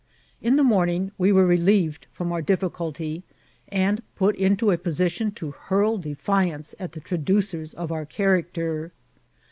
In the morning we were relieved fir<un our difficulty, and put in a position to hurl defiance at the traducera of our character.